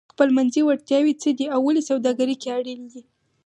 خپلمنځي وړتیاوې څه دي او ولې سوداګري کې اړینې دي؟